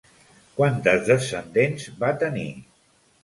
Quantes descendents va tenir?